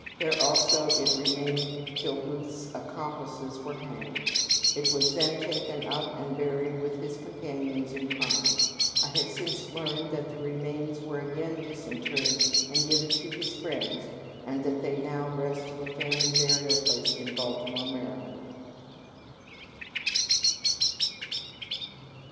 There also it remained till Booth's accomplices were hanged. It was then taken up and buried with his companions in crime. I have since learned that the remains were again disinterred and given to his friends, and that they now rest in the family burial place in Baltimore, Md."